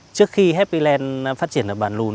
trước khi happyland phát triển ở bản lùn